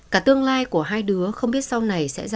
cả tương lai của hai đứa không biết sau này sẽ ra